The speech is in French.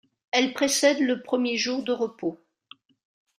Elle précède le premier jour de repos.